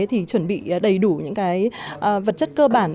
thì chuẩn bị đầy đủ những cái vật chất cơ bản